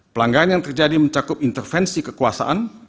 pelanggaran yang terjadi mencakup intervensi kekuasaan